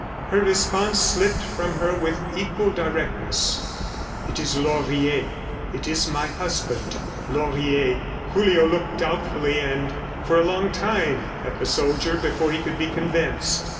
Her response slipped from her with equal directness. "It is Laurier. ... It is my husband." Laurier! ... Julio looked doubtfully and for a long time at the soldier before he could be convinced.